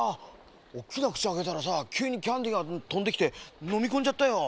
おっきなくちあけたらさきゅうにキャンディーがとんできてのみこんじゃったよ。